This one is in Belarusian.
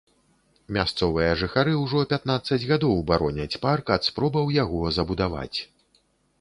Мясцовыя жыхары ўжо пятнаццаць гадоў бароняць парк ад спробаў яго забудаваць.